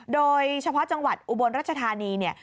โดยเฉพาะจังหวัดอุบลรัชธานีเนี่ย